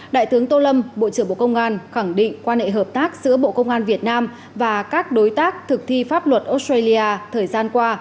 đại tướng tô lâm bộ trưởng bộ công an khẳng định quan hệ hợp tác giữa bộ công an việt nam và các đối tác thực thi pháp luật australia thời gian qua